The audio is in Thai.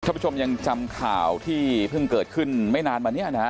ผู้ชมยังจำข่าวที่เพิ่งเกิดขึ้นไม่นานมาเนี่ยนะฮะ